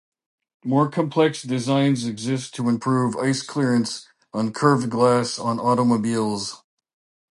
More complex designs exists to improve ice clearance on curved glass on automobiles.